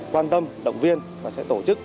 quan tâm động viên và sẽ tổ chức